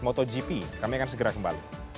motogp kami akan segera kembali